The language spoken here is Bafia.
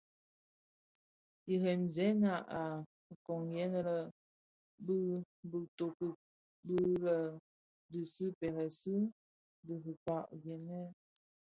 Jremzèna ki kōghènè bi bitoki bi lè dhi pèrèsi dhi dhikpag gèènë.